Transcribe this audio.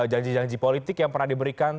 janji janji politik yang pernah diberikan